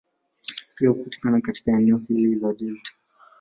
Pia hupatikana katika eneo hili la delta.